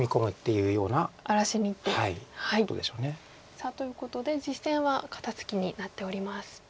さあということで実戦は肩ツキになっております。